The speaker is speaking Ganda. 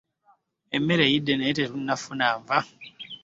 Emmere eyidde naye tetunnafuna nva.